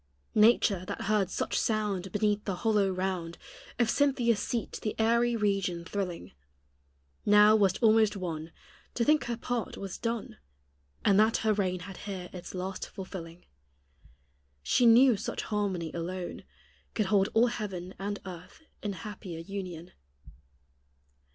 Nature, that heard such sound Beneath the hollow round Of Cynthia's seat the airy region thrilling, Now was almost won To think her part was done. And that her reign had here its last fulfilling; She knew such harmony alone Could hold all heaven and earth in happier union.